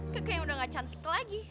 kakak yang udah gak cantik lagi